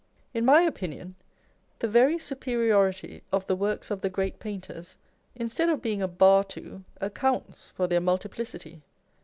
79 In my opinion, the very superiority of the works of the great painters (instead of being a bar to) accounts for their multiplicity.